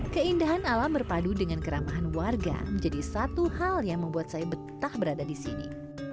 keindahan alam berpadu dengan keramahan warga menjadi satu hal yang membuat saya betah berada di sini